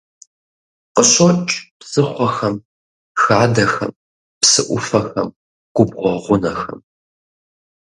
Къыщокӏ псыхъуэхэм, хадэхэм, псыӏуфэхэм, губгъуэ гъунэхэм.